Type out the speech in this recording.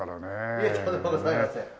いえとんでもございません。